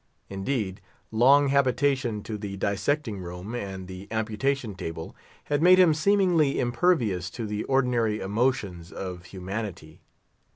Indeed, long habituation to the dissecting room and the amputation table had made him seemingly impervious to the ordinary emotions of humanity.